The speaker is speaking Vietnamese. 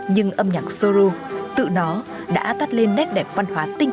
nhưng âm nhạc sô lô tự nó đã toát lên nét đẹp văn hóa tiên